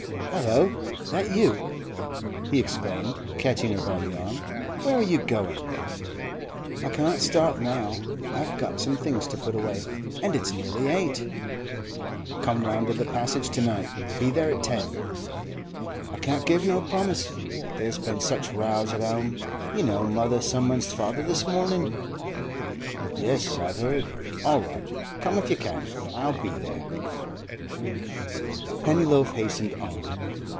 'Hallo! that you?' he exclaimed, catching her by the arm. 'Where are you going?' 'I can't stop now. I've got some things to put away, an' it's nearly eight.' 'Come round to the Passage to night. Be there at ten.' 'I can't give no promise. There's been such rows at 'ome. You know mother summonsed father this mornin'?' 'Yes, I've heard. All right! come if you can; I'll be there.' Pennyloaf hastened on.